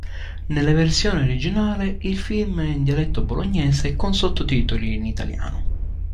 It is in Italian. Nella versione originale il film è in dialetto bolognese con sottotitoli in italiano.